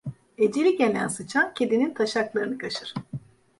Eceli gelen sıçan kedinin taşaklarını kaşır.